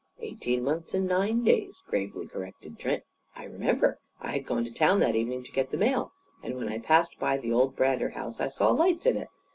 "Eighteen months and nine days," gravely corrected Trent. "I remember. I had gone to town that evening to get the mail. And when I passed by the old Brander house I saw lights in it.